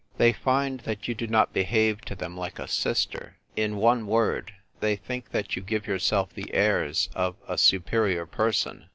" They find that you do not behave to them like a sister. In one word, they think that you give yourself the airs of a superior person.